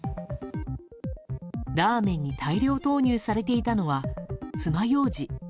ラーメンに大量投入されていたのは爪ようじ。